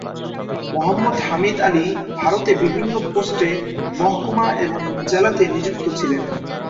মুহাম্মদ হামিদ আলী ভারতে বিভিন্ন পোস্টে মহকুমা এবং জেলাতে নিযুক্ত ছিলেন।